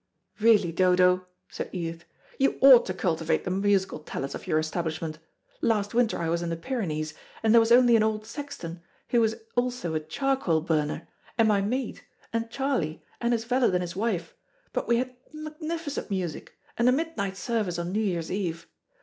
"Really, Dodo," said Edith, "you ought to cultivate the musical talents of your establishment. Last winter I was in the Pyrenees, and there was only an old sexton, who was also a charcoal burner, and my maid, and Charlie and his valet and his wife, but we had magnificent music, and a midnight service on New Year's Eve.